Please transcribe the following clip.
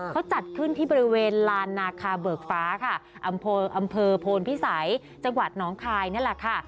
เขาจัดขึ้นที่บริเวณลานนาคาเบิกฟ้าค่ะอำเภอโพนพิสัยจังหวัดน้องคายนั่นแหละค่ะ